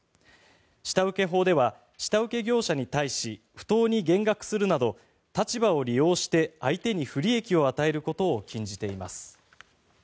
下請け法では下請け業者に対し不当に減額するなど立場を利用して相手に不利益を与えることを禁じています。